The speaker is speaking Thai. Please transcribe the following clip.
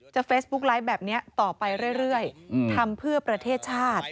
เฟซบุ๊กไลฟ์แบบนี้ต่อไปเรื่อยทำเพื่อประเทศชาติ